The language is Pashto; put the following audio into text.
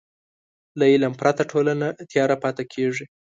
له علم پرته ټولنه تیاره پاتې کېږي.